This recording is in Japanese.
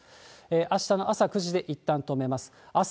あしたの朝９時でいったん止めます。